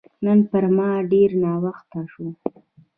نن پر ما ډېر ناوخته شو